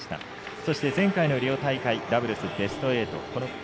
そして前回のリオ大会ダブルス、ベスト４。